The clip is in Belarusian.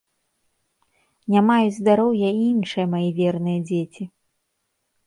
Не маюць здароўя і іншыя мае верныя дзеці.